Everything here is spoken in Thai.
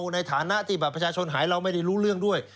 ในฐานะที่บัตรประชาชนหายเราไม่ได้รู้เรื่องด้วย